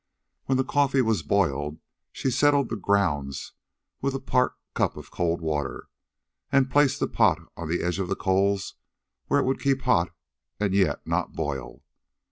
When the coffee was boiled, she settled the grounds with a part cup of cold water and placed the pot on the edge of the coals where it would keep hot and yet not boil.